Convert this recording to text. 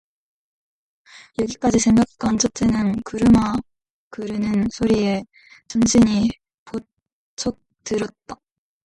여기까지 생각한 첫째는 구루마 구르는 소리에 정신이 버쩍 들었다.